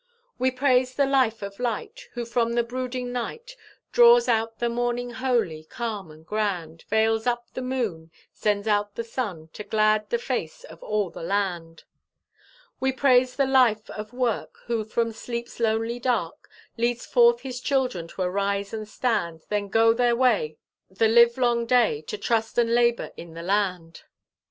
We praise the Life of Light! Who from the brooding night Draws out the morning holy, calm, and grand; Veils up the moon, Sends out the sun, To glad the face of all the land. We praise the Life of Work, Who from sleep's lonely dark Leads forth his children to arise and stand, Then go their way, The live long day, To trust and labour in the land.